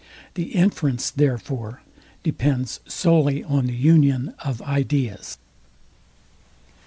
The inference, therefore, depends solely on the union of ideas.